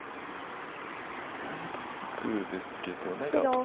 何となくですけど。